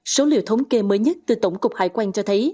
số liệu thống kê mới nhất từ tổng cục hải quan cho thấy